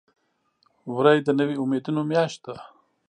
وری د نوي امیدونو میاشت ده.